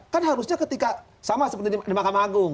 kan harusnya ketika sama seperti di mahkamah agung